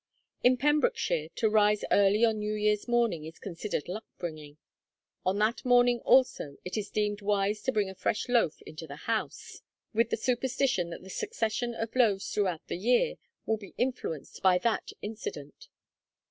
In Pembrokeshire, to rise early on New Year's morning is considered luck bringing. On that morning also it is deemed wise to bring a fresh loaf into the house, with the superstition that the succession of loaves throughout the year will be influenced by that incident.